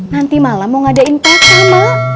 nanti malam mau ngadain kata mak